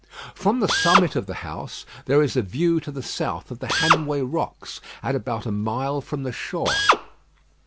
From the summit of the house, there is a view to the south of the Hanway Rocks, at about a mile from the shore.